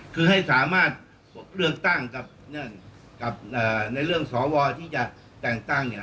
คือให้สามารถเลือกตั้งกับในเรื่องสวที่จะแต่งตั้ง